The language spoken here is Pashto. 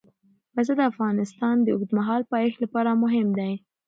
پسه د افغانستان د اوږدمهاله پایښت لپاره مهم دی.